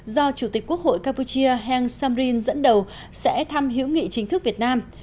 do chủ tịch quốc hội campuchia heng samrin dẫn đầu sẽ thăm hữu nghị chính thức việt nam